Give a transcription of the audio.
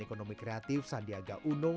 ekonomi kreatif sandiaga uno